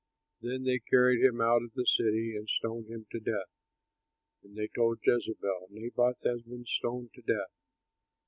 Then they carried him out of the city and stoned him to death. And they told Jezebel, "Naboth has been stoned to death."